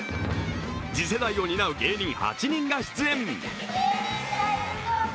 次世代を担う芸人８人が出演。